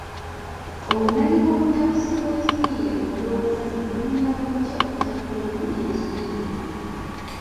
Obumanyi bw’omutapusi w’ekiyiiye ku ndowooza zino bumuyamba butya okutaputa obulungi ekiyiiye?